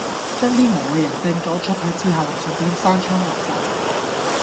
將啲無謂人掟咗出去之後，順便閂窗落閘